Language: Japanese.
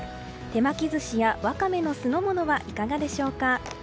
手巻き寿司やワカメの酢の物はいかがでしょうか。